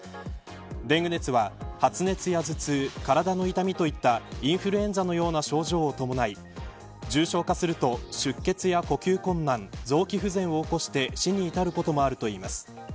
デング熱は発熱や頭痛体の痛みといったインフルエンザのような症状を伴い重症化すると出血や呼吸困難臓器不全を起こして死に至ることもあるといいます。